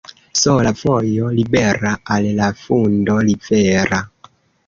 Sola vojo libera al la fundo rivera.